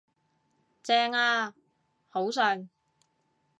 正呀，好順